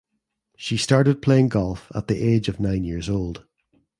She started playing golf at the age of nine years old.